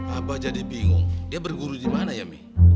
abah jadi bingung dia berguru di mana ya mi